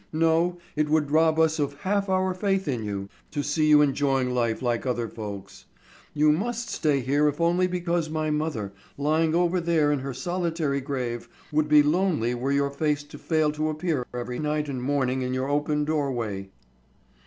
No, it would rob us of half our faith in you, to see you enjoying life like other folks. You must stay here if only because my mother, lying over there in her solitary grave, would be lonely were your face to fail to appear every night and morning in your open doorway."